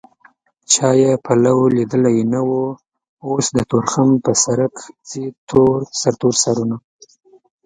چا يې پلو ليدلی نه و اوس د تورخم په سرک ځي سرتور سرونه